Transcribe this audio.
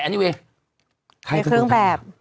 ใครคือเครื่องแบบ